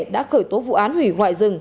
đã khởi tố vụ án hủy ngoại rừng